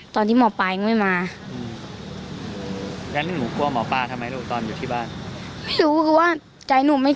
ตอนที่หมอปลาอีกไม่มา